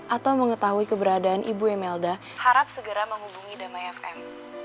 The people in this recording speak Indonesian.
atau mengetahui keberadaan ibu imelda harap segera menghubungi damai fm